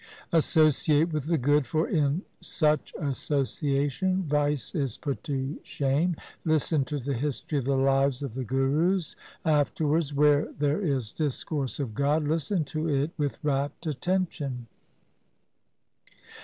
Associate with the good, for in such association vice is put to shame. Listen to the history of the lives of the Gurus. Afterwards where there is discourse of God, listen to it with rapt attention.